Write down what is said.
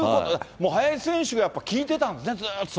もう林選手がやっぱ、効いてたんですね、ずーっと。